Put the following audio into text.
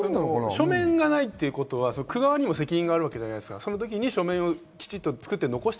書面がないということは区側にも責任があるわけじゃないですか。